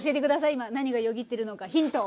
今何がよぎってるのかヒントを！